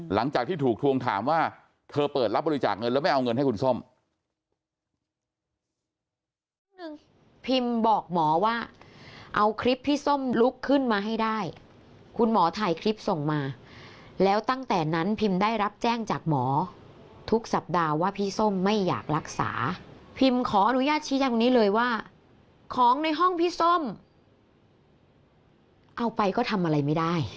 หลังจากที่ถูกทวงถามว่าเธอเปิดรับบริจาคเงินแล้วไม่เอาเงินให้คุณส้ม